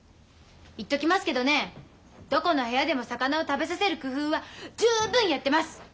言っときますけどねどこの部屋でも魚を食べさせる工夫は十分やってます！